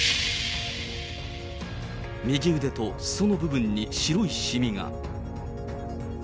右腕とすその部分に白いしみが。